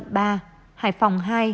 hải phòng hai